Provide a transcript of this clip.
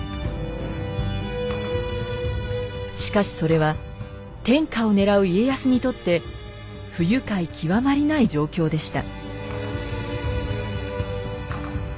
しかしそれは天下を狙う家康にとって不愉快極まりない状況でした。